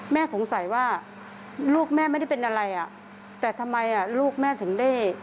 แม่สงสัยว่าลูกแม่ไม่ได้เป็นอะไรอ่ะแต่ทำไมอ่ะลูกแม่ถึงได้